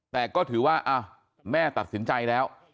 แต่ก็ถือว่าแม่ตัดสินใจแล้ว